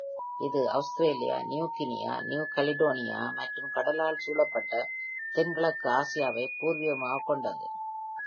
இது Australia, New Guinea, New Caledonia, மற்றும் கடலால் சூழப்பட்ட தென்கிழக்கு ஆசியாவை பூர்வீகமாகக் கொண்டது.